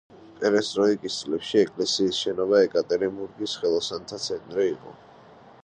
პერესტროიკის წლებში ეკლესიის შენობა ეკატერინბურგის ხელოსანთა ცენტრი იყო.